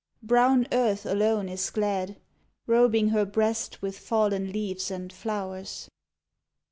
Brown Earth alone is glad, Robing her breast with fallen leaves and flow rs.